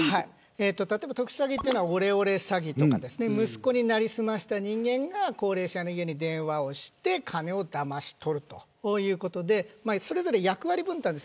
例えば、特殊詐欺というのはオレオレ詐欺とか息子に成り済ました人間が高齢者の家に電話をして金をだまし取るということでそれぞれ役割分担があります。